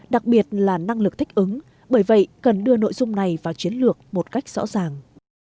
đặc biệt là năng lực thích ứng bởi vậy cần đưa nội dung này vào chiến lược một cách rõ ràng